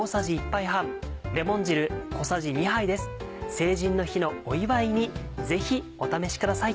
成人の日のお祝いにぜひお試しください。